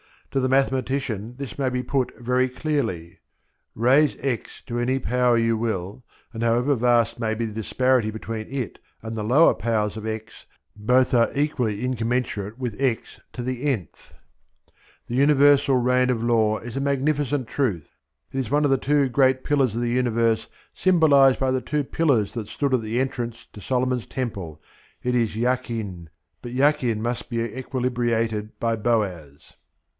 To the mathematician this may be put very clearly. Raise x to any power you will, and however vast may be the disparity between it and the lower powers of x, both are equally incommensurate with x^n. The universal reign of Law is a magnificent truth; it is one of the two great pillars of the universe symbolized by the two pillars that stood at the entrance to Solomon's temple: it is Jachin, but Jachin must be equilibriated by Boaz.